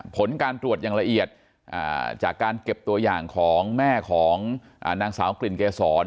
ผลการตรวจอย่างละเอียดจากการเก็บตัวอย่างของแม่ของนางสาวกลิ่นเกษร